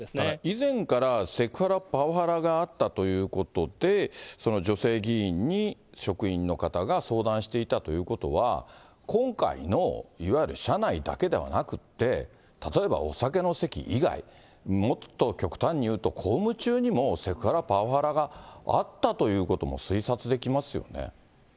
以前から、セクハラ、パワハラがあったということで、その女性議員に職員の方が相談していたということは、今回のいわゆる車内だけではなくて、例えばお酒の席以外、もっと極端にいうと、公務中にもセクハラ、パワハラがあったということも推察できますよね。